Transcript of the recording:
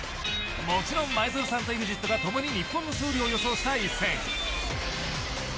もちろん前園さんとＥＸＩＴが共に日本の勝利を予想した一戦。